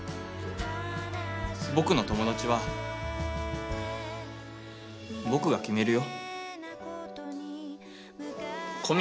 僕の友達は僕が決めるよ。